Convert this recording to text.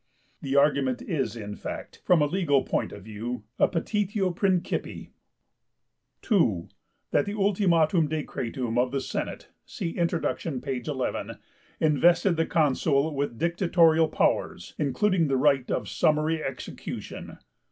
The argument is, in fact, from the legal point of view, a petitio principii. (2) That the 'ultimum decretum' of the Senate (see Introduction, page 11) invested the Consul with dictatorial powers, including the right of summary execution.